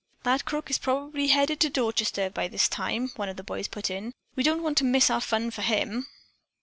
"That crook is probably headed for Dorchester by this time," one of the boys put in. "We don't want to miss our fun for him."